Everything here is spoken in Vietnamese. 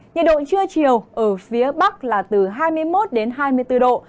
nhiệt độ trưa chiều ở phía bắc là từ hai mươi một đến hai mươi bốn độ